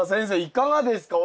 いかがですか？